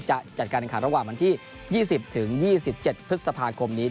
จะจัดการแข่งขันระหว่างวันที่๒๐ถึง๒๗พฤษภาคมนี้